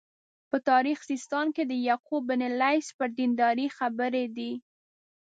په تاریخ سیستان کې د یعقوب بن لیث پر دینداري خبرې دي.